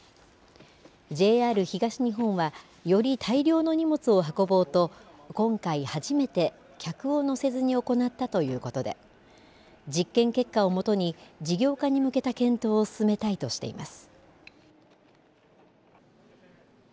ＪＲ東日本はより大量の荷物を運ぼうと今回初めて客を乗せずに行ったということで実験結果をもとに事業化に向けた検討を進めたいとしています。